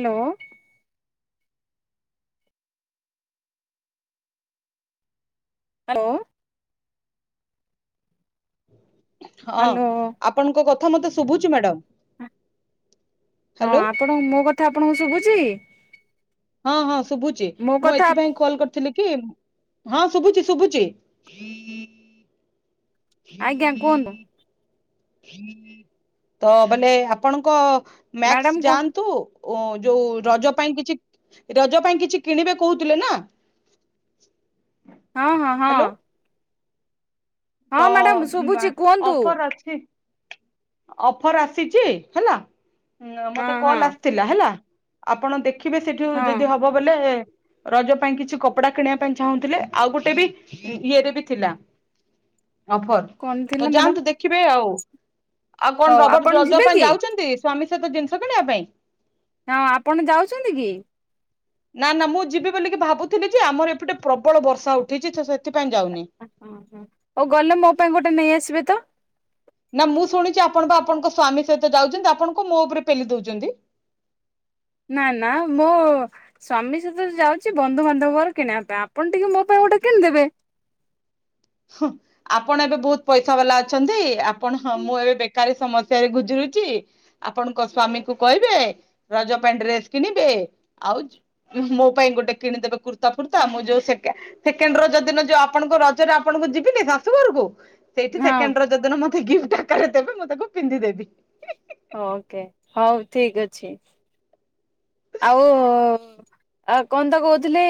Hello. ଲୋ। ହଁ hello ଆପଣଙ୍କ କଥା ମତେ ଶୁଭୁଛି ମ୍ୟାଡାମ। ହଁ ହ୍ୟାଲୋ। ଆପଣ ମୋ କଥା ଆପଣଙ୍କୁ ଶୁଭୁଛି। ହଁ ହଁ ଶୁଭୁଛି ମୋ ମୁଁ କଥା ଏଥିପାଇଁ କଲ୍ କରିଥିଲି। କି ହଁ ଶୁଭୁଛି ଶୁଭୁଛି। ଆଜ୍ଞା କୁହନ୍ତୁ। ତ ମାନେ ଆପଣଙ୍କ ମ୍ୟାକ୍ସ ମ୍ୟାଡାମ କୁହ ଯାଆନ୍ତୁ। ଓ ଯୋଉ ରଜ ପାଇଁ କିଛି ରଜ ପାଇଁ କିଛି କିଣିବେ କହୁଥିଲେ ନା ହଁ ହଁ ହଁ। ହ୍ୟାଲୋ ହଁ ତ ମ୍ୟାଡାମ ଶୁଭୁଛି କୁହନ୍ତୁ ଅଫର ଅଛି। ଅଫର ଆସିଛି ହେଲା ହଁ ମତେ ହଁ କଲ୍ ଆସିଥିଲା ହେଲା ଆପଣ ଦେଖିବେ ସେଇଠୁ ହଁ ଯଦି ହବ ବୋଲେ ରଜ ପାଇଁ କିଛି କପଡା କିଣିବା ପାଇଁ ଚାହୁଁଥିଲେ ଆଉ ଗୋଟେ ବି ଇଏରେ ବି ଥିଲା। କଣ ଅଫର ଥିଲା ତ ମ୍ୟାଡାମ ଯାଆନ୍ତୁ ଦେଖିବେ ଆଉ। ଆଉ କଣ ହଉ ରବର ଆପଣ ରଜ ଯିବେ ପାଇଁ କି ଯାଉଛନ୍ତି ସ୍ୱାମୀ ସହିତ ଜିନିଷ କିଣିବା ପାଇଁ? ହଁ ଆପଣ ଯାଉଛନ୍ତି କି? ନା ନା ମୁଁ ଯିବି ବୋଲି ଭାବୁଥିଲି ଯେ ଆମର ଏପଟେ ପ୍ରବଳ ବର୍ଷା ଉଠିଛି ସେଥିପାଇଁ ଯାଉନି। ହ ହ ହଉ ଗଲେ ମୋ ପାଇଁ ଗୋଟେ ନେଇ ଆସିବେ ତ। ନା ମୁଁ ଶୁଣିଛି ଆପଣ ବା ଆପଣଙ୍କ ସ୍ଵାମୀ ସହିତ ଯାଉଛନ୍ତି ଆପଣଙ୍କୁ ମୋ ଉପରେ ପେଲି ଦଉଛନ୍ତି। ନା ନା ମୁଁ ସ୍ୱାମୀ ସହିତ ଯାଉଛି ବନ୍ଧୁବାନ୍ଧବଙ୍କର କିଣିବା ପାଇଁ ଆପଣ ଟିକେ ମୋ ପାଇଁ ଗୋଟେ କିଣିଦେବେ। ହଁ। ଆପଣ ଏବେ ବହୁତ ପଇସା ବାଲା ଅଛନ୍ତି ଆପଣ ହଁ ମୁଁ ଏବେ ବେକାରୀ ସମସ୍ୟରେ ଗୁଜୁରୁଛି। ଆପଣଙ୍କ ସ୍ଵାମୀ କ କହିବେ ରଜ ପାଇଁ ଡ୍ରେସ୍ କିଣିବେ ଆଉ ମୋ ପାଇଁ ଗୋଟେ କିଣିଦେବେ କୁର୍ତ୍ତା ଫୁର୍ତ୍ତା ମୁଁ ଯୋଉ ସେକେଣ୍ଡ ର ଯୋଦିିନ ଯୋଉ ଆପଣଙ୍କ ରଜରେ ଆପଣଙ୍କୁ ଯିବିନି ଶାଶୁ ଘରକୁ ସେଇଠି ହଁ ସେକେଣ୍ଡ ର ଯଦିନ ମତେ ଗିଫ୍ଟ ଆକାରରେ ଦେବେ ମୁଁ ତାକୁିଧିଦ ଦେବି। ଓକେ ହଉ ଠିକ ଅଛି ଆଉ ଆଉ କହନ୍ତା କହୁଥିଲି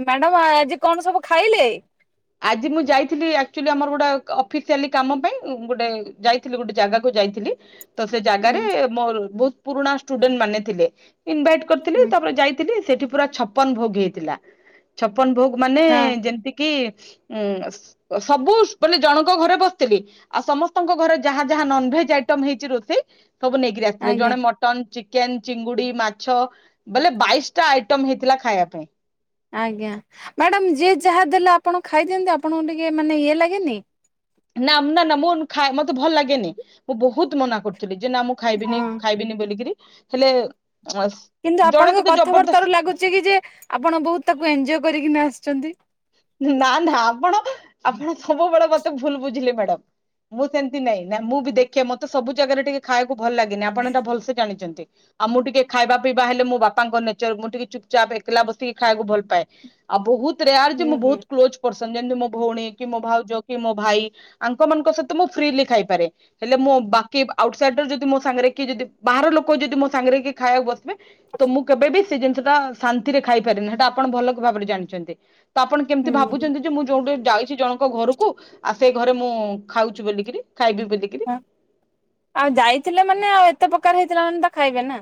ମ୍ୟାଡ଼ାମ ଆଜି କଣ ସବୁ ଖାଇଲେ ଆଜି ମୁଁ ଯାଇଥିଲି ଆଚୁଲି ଆମର ଗୋଟେ ଅଫିସିଆଲି କାମ ପାଇଁ ଗୋଟେ ଯ ଥିଲେ ଗୋଟେ ଜାଗାକୁ ଯାଇଥିଲି। ତ ସେ ହୁଁ। ଜାଗାରେ ମୋର ବହୁତ ପୁରୁଣା ଷ୍ଟୁଡେଣ୍ଟ ମାନେ ଥିଲେ ଇନଭାଇଟ୍ କରିଥିଲି ହୁଁ ତାପରେ ଯାଇଥିଲି ସେଠି ପୁରା ଛପନ ଭୋଗ ହେଇଥିଲା ଛପନ ଭୋଗ ମାନେ ହଁ ଯେମିତି କି ଉଁ ସବୁ ମାନେ ଜଣଙ୍କ ଘରେ ବସିଥିଲି। ଆଉ ସମସ୍ତଙ୍କ ଘରେ ଯାହା ଯାହା ନନଭେଜ ଆଇଟମ ହେଇଛି ରୋଷେଇ ସବୁ ନେଇକି ଆସିଥିଲେ ଆଜ୍ଞା ଜଣେ ଚିକେନ ଚିଙ୍ଗୁଡି ମାଛ ବୋଲେ ବାଇଶ ଟା ଆଇଟମ ହେଇଥିଲା ଖାଇବା ପାଇଁ। ଆଜ୍ଞା ମ୍ୟାଡ଼ାାମ ଯିଏ ଯାହା ଦେଲେ ଆପଣ ଖାଇଦିଅନ୍ତି ଆପଣଙ୍କୁ ଟିକେ ମାନେ ଇଏ ଲାଗେନି ନା ନା ନା ମୁଁ ଖାଏ ମତେ ଭଲ ଲାଗେନି ମୁଁ ବହୁତ ମନା କରୁଥିଲି ଯେ ନା ମୁ ହଁ। ଖାଇବିନି ଖାଇବିନି ବୋଲିକରି ହେଲେ। କିନ୍ତୁ ଜଣେ ଆପଣଙ୍କ ତତେ କଥାବାର୍ତ୍ତା ଜବରଦସ୍ତ ର ଲାଗୁଛି କି ଯେ ଆପଣ ବହୁତ ତାକୁ ଏଞଜୟ କରିକି ଆସିଛନ୍ତି। ନା ନା ଆପଣ ଆପଣ ସବୁବେଳେ ମତେ ଭୁଲ ବୁଝିଲେ ମ୍ୟାଡାମ ମୁଁ ସେମିତି ନାଇଁ ନା ମୁଁ ବି ଦେଖେ ମତେ ସବୁ ଜାଗାରେ ଟିକେ ଖାଇବାକୁ ଭଲ ଲାଗେନି ଆପଣ ଏଟା ଭଲସେ ଜାଣିଛନ୍ତି। ଆଉ ମୁଁ ଟିକେ ଖାଇବା ପିଇବା ହେଲେ ମୋ ବାପାଙ୍କ ନେଚର ମୁଁ ଟିକେ ଚୁପ୍ପ ଏକଲା ବସିକି ଖାଇବାକୁ ଭଲ ପାଏ। ଆଉ ବହୁତ ରେୟାର ଯେ ହୁଁ ମୁଁ ହୁଁ। ବହୁତ କ୍ଲୋଜ ପର୍ସନ ଯେମିତି ମୋ ଭଉଣୀ କି ମୋ ଭାଉଜ କି ମୋ ଭାଇ। ଆଙ୍କ ମାନଙ୍କ ସହିତ ମୁଁ ଫ୍ରିଲି ଖାଇପାରେ। ହେଲେ ମୁଁ ବାକି ଆଉଟ ସାଇଡର ଯଦି ମୋ ସାଙ୍ଗରେ କି ଯଦି ବାହାର ଲୋକ ଯଦି ମୋ ସାଙ୍ଗରେ କି ଖାଇବାକୁ ବସିବେ। ତ ମୁଁ କେବେ ବି ସେ ଜିନିଷ ଟା ଶାନ୍ତିରେ ଖାଇପାରିନି ହେଟା ଆପଣ ଭଲ ଭାବରେ ଜାଣିଛନ୍ତି। ଆପଣ କେମିତି ହୁଁ ଭାବୁଛନ୍ତି। ଯେ ମୁଁ ଯୋଉଠି ଯାଇଛି ଜଣଙ୍କ ଘରକୁ ଆଉ ସେଇ ଘରେ ମୁଁ ଖାଉଛି ବୋଲିକିରି ଖାଇବି ହଁ। ବୋଲିକିରି। ଆଉ ଯାଇଥିଲେ ମାନେ ଆଉ ଏତେ ପ୍ରକାର ହେଇଥିଲା ମାନେ ତା ଖାଇବେ ନା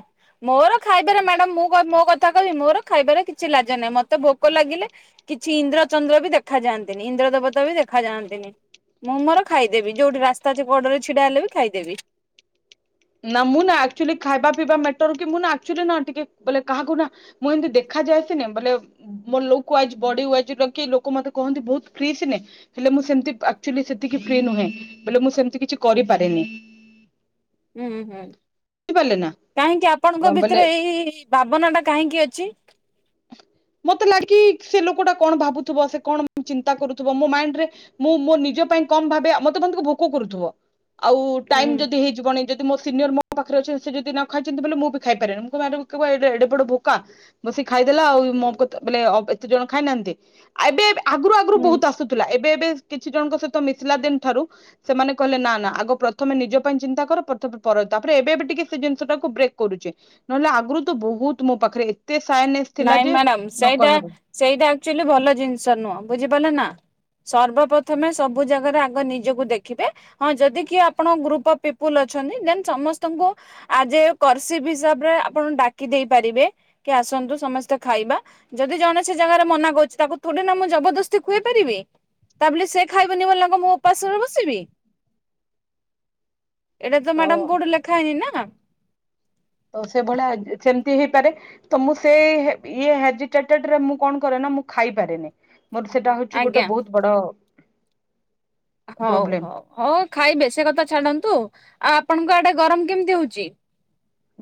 ମୋର ଖାଇବେ ନା ମ୍ୟାଡମ୍ ମୁଁ ମୋ କ ମୋ କ କଥା କହିବି ମୋର ଖାଇବାର କିଛି ଲାଜ ନାହିଁ ମତେ ଭୋକ ଲାଗିଲେ କିଛି ଇନ୍ଦ୍ର ଚନ୍ଦ୍ର ବି ଦେଖାଯାଆନ୍ତିନି ଇନ୍ଦ୍ର ଦେବତା ବି ଦେଖାଯାଆନ୍ତିନି। ମୁଁ ମୋର ଖାଇଦେବି ଯୋଉଠି ରାସ୍ତା ଅଛି କଡରେ ଛିଡା ହେଲେ ବି ଖାଇଦେବି। ନା ମୁଁ ଆଚୁଅଲି ଖାଇବା ପିଇବା ମ୍ୟାଟର କି ମୁଁନା ଆଚୁଆଲି ଟିକେ ବୋଲେ କାହାକୁ ନା ମୁଁ ଏମିତି ଦେଖାଯାଏ ସିନେ ବୋଲେ ମୋର ଲୋକ ଆଜି ବଡ଼ି ୟାଇଜି ଦେଖି ଲୋକ ମତେ କହନ୍ତି ବହୁତ ଫ୍ରି ଶିନେ। ହେଲେ ମୁଁ ସେମତି ଆଚୁଅଲି ସେତିକି ଫ୍ରି ନୁହେଁ ବଲେ ମୁଁ ସେମତି କିଛି କରିପାରେନି। ହୁଁ ହୁଁ ବୁଝିପାରିଲେ ନା କାହିଁକି ଆପଣଙ୍କ ବୋଲେ ଭିତରେ ଏଇ ଭାବନା ଟା କାହିଁକି ଅଛି? ମତେ ଲାଗି ସେ ଲୋକ ଟା କଣ ଭାବୁଥିବ ସେ କଣ ଚିନ୍ତା କରୁଥିବ ମୋ ମାଇଣ୍ଡି ରେ ମୁଁ ମୋ ନିଜ ପାଇଁ କମ ଭାବେ ମତେ ମ ଭୋକ କରୁଥିବ ଆଉ ହୁଁ ଟାଇମ ଯଦି ହେଇ ଜଣ ଯଦି ମୋ ସିନିୟର ମୋ ପାଖରେ ଅଛନ୍ତି ସେ ଯଦ ନ ଖାଇଛନ୍ତି ବଲେ ମୁଁ ବି ଖାଇପାରେନିଁ [unintelligible] ବଡ ଭୋକା। ବସିିକ ଖାଇଦେଲା ଆଉ ମୋ କ ବଲେ ଏତେ ଜଣ ଖାଇନାହାନ୍ତି ଏବେ ଆଗରୁ ଆଗରୁ ହୁଁ। ବହୁତ ଆସ ଥିଲା ଏବେ ଏବେ କିଛି ଜଣଙ୍କ ସହିତ ମିଶିଲା ଦିନ ଠାରୁ ସେମାନେ କହିଲେ ନା ନା ଆଗ ପ୍ରଥମେ ନିଜ ପାଇଁ ଚିନ୍ତା କର ପ୍ରଥମେ ପର ତାପରେ ଏବେ ବି ଟିକେ ସେ ଜିନିଷ ଟାକୁ ବ୍ରେକ୍ କରୁଛି। ନହେଲେ ଆଗରୁ ତ ବହୁତ ମୋ ପାଖରେ ଏତେ ସାଇଲେନ୍ସ। ନାଇଁ ମ୍ୟାଡାମ ସେଇଟା ସେଇଟା ଆଚୁଅଲି ଭଲ ଜିନିଷ ନୁହଁ ବୁଝିପାଇଲେ ନା। ସର୍ବ ପ୍ରଥମେ ସବୁ ଜାଗାରେ ଆଗେ ନିଜକୁ ଦେଖିବେ। ହଁ ଯଦି କିଏ ଆପଣ ଗ୍ରୁପ ଅଫ ପିପୁଲୁ ଅଛନ୍ତି ଦେନ ସମସ୍ତଙ୍କୁ ଆଜି କର୍ସିପି ହିସାବ ରେ ଆପଣ ଡାକି ଦେଇ ପାରିବେ କି ଆସନ୍ତୁ ସମସ୍ତେ ଖାଇବା ଯଦି ଜଣେ ସେ ଜାଗାରେ ମନା କରୁଛି ତାକୁ ଥୋଡି ନା ମୁଁ ଜବରଦସ୍ତି ଖୁଆଇ ପାରିବି। ତା ବୋଲି ସେ ଖାଇବନି ବୋଲି ନାଁ ମୁଁ ଉପାସରେ ବସିବି? ଏଇଟା ତ ମ୍ୟାଡାମ କୋଉଠି ଲେଖା ହେଇନି ନା। ତ ସେଭଳିଆ ସେମିତି ହେଇପାରେ। ତ ମୁଁ ସେ ଇଏ ହେଜିଟେଡରେ ମୁଁ କଣ କରେ ନା ମୁଁ ଖାଇପାରେନି। ମୋର ସେଟା ହଉଛି ଗୋଟେ ଆଜ୍ଞା ବହୁତ ବଡ ହଉ ପ୍ରୋବ୍ଲେମ ହଉ ହଉ ଖାଇ ବେ କଥା ଛାଡନ୍ତୁ ଆଉ ଆପଣଙ୍କ ଆଡେ ଗରମ କେମିତି ହଉଛି?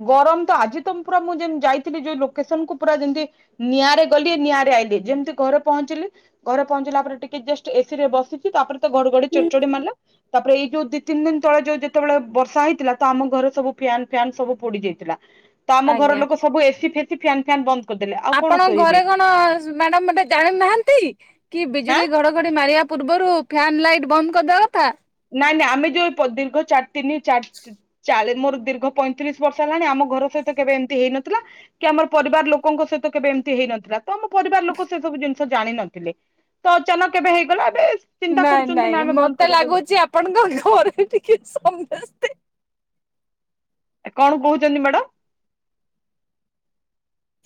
ଗରମ ତ ଆଜି ତମେ ପୁରା ମୁଁ ଯେ ଯାଇଥିଲି ଯୋଉ ଲୋକେସନ କୁ ପୁରା ଯେମିତି। ନିଆଁରେ ଗଲି ନିଆଁରେ ଆଇଲିି ଯେମିତି ଘରେ ପହଞ୍ଚିଲି ଘରେ ପହଞ୍ଚିଲା ପରେ ଟିକେ ଜଷ୍ଟ ଏସିରେ ବସିଚି ତାପରେ ତ ଘଡ଼ଘଡ଼ି ଚଢ଼ଚଢି ମାରିଲା। ତାପରେ ଏଇ ଯୋଉ ଦି ତିନି ଦିନ ତଳେ ଯୋଉ ଯେତେବେଳେ ବର୍ଷା ହେଇଥିଲା ତ ଆମ ଘରେ ସବୁ ଫ୍ୟାନ ଫ୍ୟାନ ସବୁ ପୋଡି ଯାଇଥିଲା ତ ଆମ ଘର ଆଜ୍ଞା। ଲୋକ ସବୁ ଏସି ଫେସି ଫ୍ୟାନ ଫାନ ବନ୍ଦ କରିଦେଲେ ଆଉ କଣ ଶୋଇବେ। ନାଁ ମାଡାମ୍ ଜାଣି ନାହାନ୍ତି କି ହାଁ ବିଜୁଳି ଘଡ଼ଘଡ଼ି ମାରିବା ପୂର୍ବରୁ ଫ୍ୟାନ୍ ଲାଇଟ୍ ବନ୍ଦ କରିଦେବ କଥା। ନାଇଁ ନାଇଁ ଆମେ ଯେଉଁ ପ ଦୀର୍ଘ ଚା ତିନି ଚାରି ଚା ମୋର ଦୀର୍ଘ ପଇଁତିରିଶ ବର୍ଷ ହେଲାଣି ଆମ ଘର ସହିତ କେବେ ଏମିତି ହେଇନଥିଲା। କି ଆମର ପରିବାର ଲୋକଙ୍କ ସହିତ କେବେ ଏମିତି ହେଇନଥିଲା। ତ ଆମ ପରିବାର ଲୋକ ସେ ସବୁ ଜିନିଷ ଜାଣିନଥିଲେ ତ ଅଚାନକ ଏବେ ହେଇଗଲା। ଏବେ ଚିନ୍ତା ନାଇଁ କରୁଛନ୍ତି ନା ନାଇଁ ଆମେ ବନ୍ଦ ମତେ କରିବୁ ବୋଲି। ଲାଗୁଛି ଆପଣଙ୍କ ଘରେ ଟିକେ ସମସ୍ତେ କଣ କହୁଛନ୍ତି ମ୍ୟାଡମ?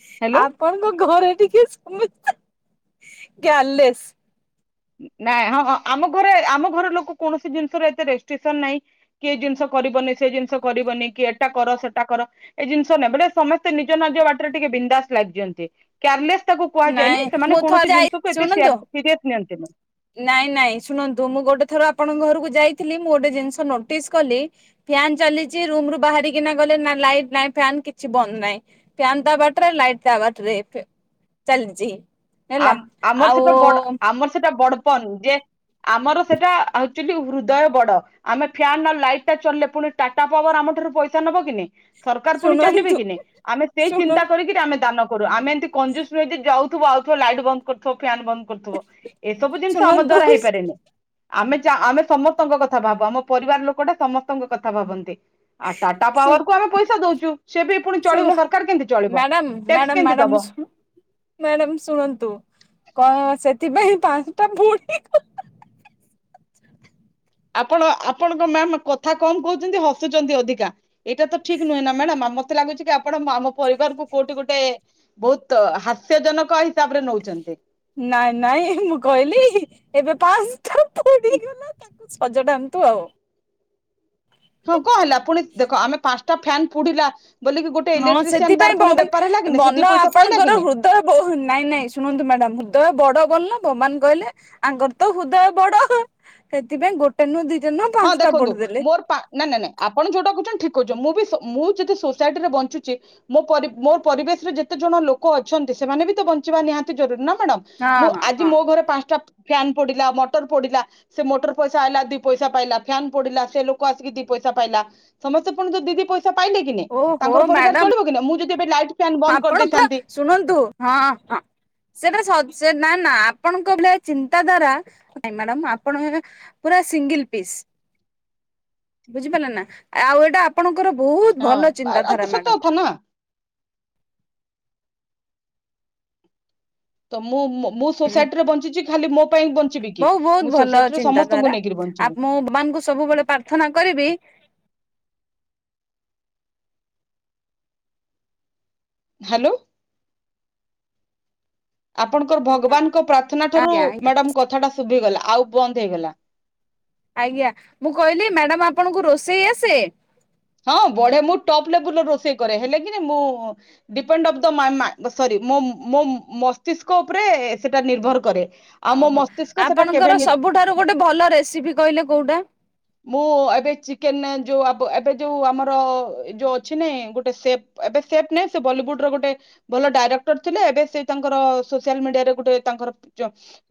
ହ୍ୟାଲୋ। ଆପଣଙ୍କ ଘରେ ଟିକେ ସମସ୍ତେ କ୍ୟାରଲେସ। ନାଇଁ ହଁ ହ ଆମ ଘରେ ଆମ ଘର ଲୋକ କୌଣସି ଜିନିଷର ଏତେ ରେଷ୍ଟ୍ରିକିସନ ନାହିଁ। କିଏ ଜିନିଷ କରିବନି ସେ ଜିନିଷ କରିବନି କି ଏଟା କର ସେଟା କର। ଏ ଜିନିଷ ନ ବୋ ସମସ୍ତେ ନିଜ ନିଜ ବାଟରେ ଟିକେ ବିନ୍ଦାସ ଲାଇଫ ଯିଅନ୍ତି। କେୟାରଲେସ୍ ତାକୁ ନାଇଁ କୁହାଯାଏନି ସେମାନେ ମୁଁ ଥରେ କୌଣସି ଯାଇ ଜିନିଷକୁ ଏତେ ଶୁଣନ୍ତୁ ସିରିଅସ ନିଅନ୍ତିନି। ନାଇଁ ନାଇଁ ଶୁଣନ୍ତୁ ମୁଁ ଗୋଟେ ଥର ଆପଣଙ୍କ ଘରକୁ ଯାଇଥିଲି ମୁଁ ଗୋଟେ ଜିନିଷ ନୋଟିସ କଲି। ଫ୍ୟାନ୍ ଚାଲିଛି ରୁମରୁ ବାହାରିକିନା ଗଲେ ନା ଲାଇଟ ନଁ ଫ୍ୟାନ କିଛି ବନ୍ଦ ନାହିଁ। ଫ୍ୟାନ ତା ବାଟରେ ଲାଇଟ ତା ବାଟରେ ଚାଲଛି। ଆମର ସେଟା ବଡ ଆମର ସେଟା ବଡପଣ ଯେ। ଆମର ସେଟା ଆକ୍ଚୁଆଲି ହୃଦୟ ବଡ। ଆମେ ଫ୍ୟାନ୍ ଆଉ ଲାଇଟ୍ ଟା ଚଲିଲେ ପୁଣି ଟାଟା ପାୱାର ଆମ ଠାରୁ ପଇସା ନବ କି ନାଇଁ? ସରକାର ପୁଣି ଚାଲିବେ ଶୁଣନ୍ତୁ କି ନାଇଁ ଆମେ ସେଇ ଶୁଣ ଚିନ୍ତା କରିକିରି ଆମେ ଦାନ କରୁ ଆମେ ଏମିତି କଞ୍ଜୁସ ନୁହେଁ ଯେ ଯାଉଥିବ ଆଉଥିବ ଲାଇଟ୍ ବନ୍ଦ କରୁଥିବ ଫ୍ୟାନ୍ ବନ୍ଦ କରୁଥିବ। କରୁଥିବ ଏସବୁ ଜିନିଷ ଆମ ଶୁଣନ୍ତୁ ଦ୍ଵାରା ହେଇପାରେନି। ଆମେ ଯା ଆମେ ସମସ୍ତଙ୍କ କଥା ଭାବୁ ଆମ ପରିବାର ଲୋକ ଟା ସମସ୍ତଙ୍କ କଥା ଭାବନ୍ତି। ଆଉ ଟାଟା ଶୁ ପାୱାରକୁ ଆମେ ପଇସା ଦଉଛୁ ସେ ବି ପୁଣି ଶୁଣ ଚଳିବ ସରକାର କେମିତି ଚଳିବ। ମ୍ୟାଡ଼ାମ ଟ୍ୟାକ୍ସ ମ୍ୟାଡ଼ାମ କେମିତି ମ୍ୟାଡ଼ମ୍ ଦବ ଶୁ ମ୍ୟାଡ଼ାମ ଶୁଣନ୍ତୁ କ ସେଥିପାଇଁ ପାଞ୍ଚଟା ଫୁ ଆପଣ ଆପଣଙ୍କ ମ୍ୟାମ କଥା କମ୍ କହୁଛନ୍ତି ହସୁଛନ୍ତି ଅଧିକା। ଏଇଟା ତ ଠିକ୍ ନୁହେଁ ନା ମ୍ୟାଡାମ ମତେ ଲାଗୁଛି କି ଆପଣ ଆମ ପରିବାର କୋଉଠି ଗୋଟେ ବହୁତ ହାସ୍ୟଜନକ ହିସାବ ରେ ନେଉଛନ୍ତି। ନାଇଁ ନାଇଁ ମୁଁ କହିଲି ଏବେ ପାଞ୍ଚଟା ପଡିଗଲା। ସଜଡ଼ାନ୍ତୁ ଆଉ ହଁ କଣ ହେଲା ପୁଣି ଦେଖ ଆମେ ପାଞ୍ଚଟା ଫ୍ୟାନ୍ ପୁଡିଲା‌। ବୋଲି ଗୋଟେ ହଁ ଇଲେଟ୍ରିସିଆନ ସେଥିପାଇଁ ତାର ପୁଣି ବେପାର ହେଲା କିି ସେ ମନ ଦି ପଇସା ପାଇଲା ଆପଣଙ୍କର କି ନାଇଁ। ହୃଦୟ ନାଇଁ ନାଇଁ ଶୁଣନ୍ତୁ ମ୍ୟାଡାମ ହୃଦୟ ବଡ ବୋଲି ନୁହେଁ ଭଗବାନ କହିଲେ ଆଙ୍କର ତ ହୃଦୟ ବଡ ସେଥିପାଇଁ ଗୋଟେ ନୁହଁ ଦିଟା ନୁହଁ ପାଞ୍ଚଟା ପୋଡିଦେଲେ। ନାଇଁ ନା ନାଇଁ ଆପଣ ଯୋଉଟା କହୁଛନ୍ତି ଠିକ କହୁଛନ୍ତି ମୁଁ ବି ମୁଁ ଯଦି ସୋସାଇଟିରେ ବଞ୍ଚୁଛି। ମୋ ପରିବେଶ ରେ ଯେତେ ଜଣ ଲୋକ ଅଛନ୍ତି ସେମାନେ ବି ତ ବଞ୍ଚିବା ନିହାତି ଜରୁରୀ ନା ମ୍ୟାଡାମ। ହଁ ମୁଁ ହଁ ଆଜି ହଁ ମୋ ଘରେ ପାଞ୍ଚଟା ଫ୍ୟାନ ପଡିଲା ମୋଟର ପଡିଲା ସେ ମୋଟର ପଇସା ଆଇଲା ଦି ପଇସା। ପାଇଲା ଫ୍ୟାନ ପଡିଲା ସେ ଲୋକ ଆସିକି ଦି ପଇସା ପାଇଲା ସମସ୍ତେ ପୁଣି ଯଉ ଦି ପଇସା ପାଇଲେ। କି ଓହୋ ତାଙ୍କର ପରିବାର ମ୍ୟାଡାମ ଚଳିବ କି ନା ମୁଁ ଯଦି ଏ ଲାଇଟ। ଆପଣଙ୍କ ଶୁଣନ୍ତୁ ହଁ ହଁ। ସେଇଟା ସ ନା ନା ଆପଣଙ୍କ ଭଳିଆ ଚିନ୍ତା ଧାରା ନାଇ ମ୍ୟାଡାମ ଆପଣ। ପୁରା ସିଙ୍ଗଲ ପିସ୍ ବୁଝିପାରିଲେନା ନା ଆଉ ଏଟା? ଆପଣଙ୍କର ବହୁତ ହଁ ଭଲ ଆ- ଆ ତ ଚିନ୍ତାଧାରା ସତ ମ୍ୟାଡ଼ାମ। କଥା ନା ତ ମୁଁ ମୁଁ ହୁଁ ସୋସାଇଟିରେ ବଞ୍ଚିଛି ଖାଲି ମୋ ପାଇଁ ବଞ୍ଚିବି କି ବହୁ ବହୁତ ମୁଁ ଭଲ ସୋସାଇଟିରେ ଚିନ୍ତାଧାରା ସମସ୍ତଙ୍କୁ ନେଇକିରି ଆ ବଞ୍ଚିବି। ମୁଁ ଭଗବାନଙ୍କୁ ସବୁବେଳେ ପ୍ରାର୍ଥନା କରିବି। ହ୍ୟାଲୋ। ଆପଣଙ୍କର ଭଗବାନଙ୍କ ପ୍ରାର୍ଥନା ଠାରୁ ଆଜ୍ଞା ଆଜ୍ଞା ମ୍ୟାଡାମ କଥାଟା ଶୁଭିଗଲା ଆଉ ବନ୍ଦ ହେଇଗଲା। ଆଜ୍ଞା ମୁଁ କହିଲି ମ୍ୟାଡ଼ାମ ଆପଣଙ୍କୁ ରୋଷେଇ ଆସେ? ହଁ ବଢେ ମୁଁ ଟପ୍ ଲେବୁଲର ରୋଷେଇ କରେ ହେଲେ କି ନା ମୁଁ ଡ଼ିପେଣ୍ଡ ଅଫ ମାଇଁ ମାକ ମୋ ମସ୍ତିଷ୍କ ଉପରେ ସେଟା ନିର୍ଭର କରେ। ଆଉ ମୋ ଓହୋ ମସ୍ତିଷ୍କ ସେଟା ଆପଣଙ୍କର କେବେ ସବୁଠାରୁ ଗୋଟେ ଭଲ ରେସିପି କହିଲେ କୋଉଟା? ମୁଁ ଏବେ ଚିକେନ ଯୋଉ ଏବେ ଯୋଉ ଆମର ଯୋଉ ଅଛି ନେ ଗୋଟେ ସେପ ଏବେ ସେଫ୍ ନାଇଁ ସେ ବଲିଉଡର ଗୋଟେ ଭଲ ଡାଇରେକ୍ଟର ଥିଲେ ଏବେ ସେ ତାଙ୍କର ସୋସିଆଲ ମିଡିଆରେ ଗୋଟେ ତାଙ୍କର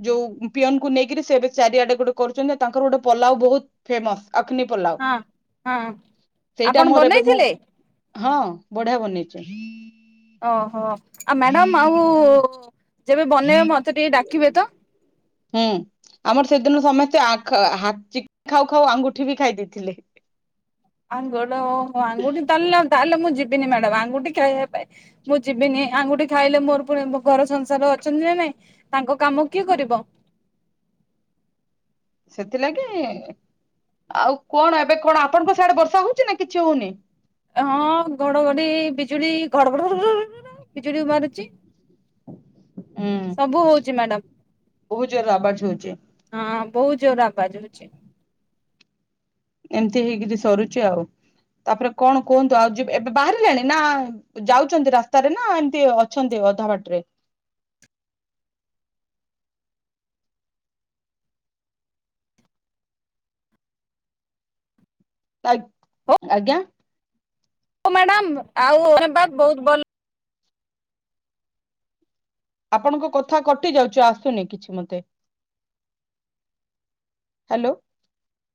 ଯୋଉ ପିଅନକୁୁ ନେଇକରି ସେ ଏ ଚାରିଆଡେ ଗୋଟେ କରୁଛନ୍ତି ତାଙ୍କର ଗୋଟେ ପଲାଉ ବହୁତ ଫେମସ। ଅଗ୍ନି ପୋଲାଉ ହଁ ହଁ ସେଇଟା ଆପଣ ମୋର ଏବେ ମୁଁ ବନେଇଥିଲେ ହଁ ବଢିଆ ବନେଇଛ। ଓହୋ ଆଉ ମ୍ୟାଡ଼ାମ୍ ଆଉ ଯେବେ ବନେଇବେ ମତେ ଟିକେ ଡାକିବେ ତ। ହୁଁ ଆମର ସେଦିନ ସମସ୍ତେ ଖାଉ ଖାଉ ଆଙ୍ଗୁଠି ବି ଖାଇ ଦେଇଥିଲେ। ଆମ୍ ଗୋଡ଼ ଆଙ୍ଗୁଠି ମୋ ଆଙ୍ଗୁଠି ତାହେଲେ ତାହାଲେ ମୁଁ ଯିବିନି ମ୍ୟାଡାମ୍ ଆଙ୍ଗୁଠି ଖାଇବା ପାଇଁ। ମୁଁ ଯିବିନି ଆଙ୍ଗୁଠି ଖାଇଲେ ମୋର ପୁଣି ଘର ସଂସାର ଅଛନ୍ତି ନା ନାଇଁ ତାଙ୍କ କାମ କିଏ କରିବ? ସେଥିଲାଗି ଆଉ କଣ ଏବେ କଣ ଆପଣଙ୍କ ସଡେ ବର୍ଷା ହଉଛି ନା କିଛି ହଉନି। ହଁ ଘଡଘଡି ବିଜୁଳି ଘଡଘଡ ବିଜୁଳି ମାରୁଛି। ହୁଁ ସବୁ ହୋଉଛି ମ୍ୟାଡାମ। ବହୁତ ଜୋରରେ ଆବାଜ ହଉଛି। ହଁ ବହୁତ ଜୋର ଆବାଜ ହୋଉଚି। ଏମିତି ହେଇକରି ସରୁଛି ଆଉ ତାପରେ କଣ କୁହନ୍ତୁ ଆଉ ଯ ଏବେ ବାହାରିଲାଣି ନା ଯାଉଛନ୍ତି ରାସ୍ତାରେ ନା ଏମିତି ଅଛନ୍ତି ଅଧା ବାଟ ରେ? ହଉ ଆଜ୍ଞା। ମ୍ୟାଡାମ ଆଉ ବା ବହୁତ ଭଲ। ଆପଣଙ୍କ କଥା କଟି ଯାଉଛୁ ଆସୁନି କିଛି ମତେ। ହ୍ୟାଲୋ।